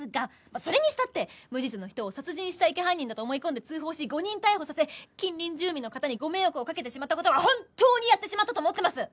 それにしたって無実の人を殺人死体遺棄犯人だと思い込んで通報し誤認逮捕させ近隣住民の方にご迷惑をかけてしまった事は本当にやってしまったと思ってます。